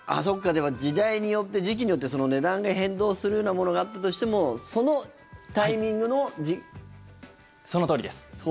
でも時代によって時期によって値段が変動するようなものがあったとしてもそのとおりです。